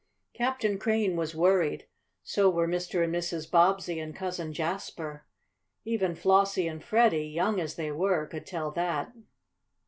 Captain Crane was worried. So were Mr. and Mrs. Bobbsey and Cousin Jasper. Even Flossie and Freddie, young as they were, could tell that.